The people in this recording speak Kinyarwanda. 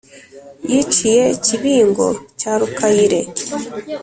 yiciye kibingo cya rukayire